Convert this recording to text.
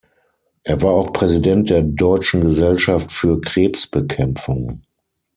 Er war auch Präsident der Deutschen Gesellschaft für Krebsbekämpfung.